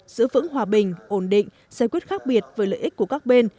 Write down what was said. giữ vững hòa bình ổn định giải quyết khác biệt với lợi ích của các bên